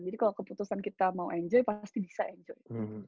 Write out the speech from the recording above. jadi kalau keputusan kita mau enjoy pasti bisa enjoy